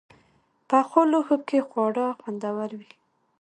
پخو لوښو کې خواړه خوندور وي